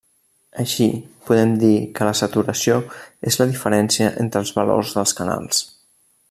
Així, podem dir que la saturació és la diferència entre els valors dels canals.